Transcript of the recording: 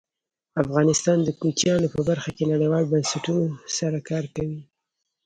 افغانستان د کوچیان په برخه کې نړیوالو بنسټونو سره کار کوي.